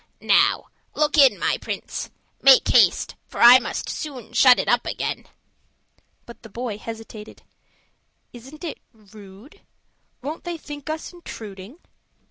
"Now look in, my Prince. Make haste, for I must soon shut it up again." But the boy hesitated. "Isn't it rude? won't they think us intruding?"